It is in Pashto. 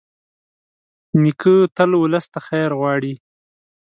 نیکه تل ولس ته خیر غواړي.